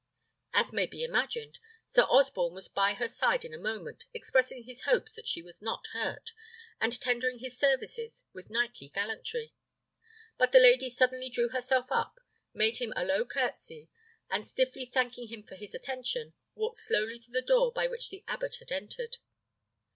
As may be imagined, Sir Osborne was by her side in a moment, expressing his hopes that she was not hurt, and tendering his services with knightly gallantry; but the lady suddenly drew herself up, made him a low curtsey, and stiffly thanking him for his attention, walked slowly to the door by which the abbot had entered.